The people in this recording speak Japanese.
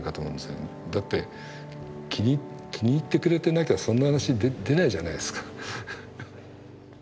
だって気に入ってくれてなきゃそんな話出ないじゃないですか。